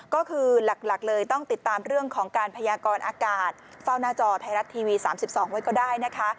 ก็คือหลักเลยต้องติดตามเรื่องของการพยากรอากาศเฝ้าหน้าจอไทยรัฐทีวี๓๒ไว้ก็ได้นะคะ